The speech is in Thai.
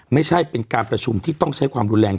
ไม่ใช่เป็นการประชุมที่ต้องใช้ความรุนแรง